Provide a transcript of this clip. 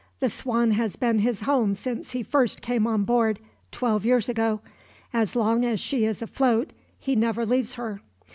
The Swan has been his home since he first came on board, twelve years ago. As long as she is afloat, he never leaves her.